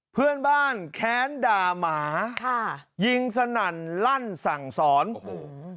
เพื่อนบ้านแค้นด่าหมาค่ะยิงสนั่นลั่นสั่งสอนโอ้โห